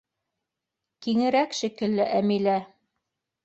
— Киңерәк шикелле, Әмилә.